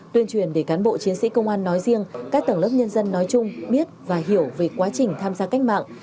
tuyên truyền để cán bộ chiến sĩ công an nói riêng các tầng lớp nhân dân nói chung biết và hiểu về quá trình tham gia cách mạng